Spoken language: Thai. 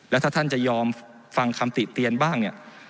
และถ้าท่านจะยอมฟังคำติเตียนบ้าง